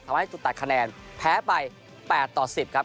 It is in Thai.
ทำให้จุดตัดคะแนนแพ้ไป๘๑๐ครับ